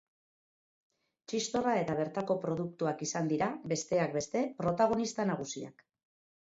Txistorra eta bertako produktuak izan dira, besteak beste, protagonista nagusiak.